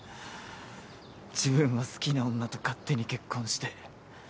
自分は好きな女と勝手に結婚して。